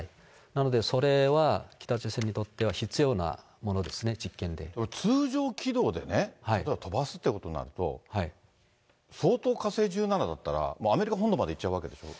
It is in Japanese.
なので、それは北朝鮮にとっては通常軌道でね、例えば飛ばすっていうことになると、相当、火星１７だったら、アメリカ本土までいっちゃうわけでしょ。